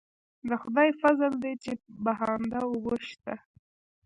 د خدای فضل دی چې بهانده اوبه شته.